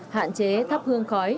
hạn chế thắp hương khói